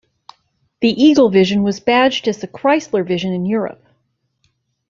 The Eagle Vision was badged as the Chrysler Vision in Europe.